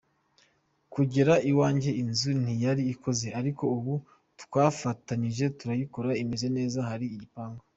Kugera iwanjye inzu ntiyari ikoze ariko ubu twarafatanyije turayikora imeze neza, hari igipangu.